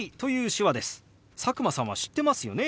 佐久間さんは知ってますよね。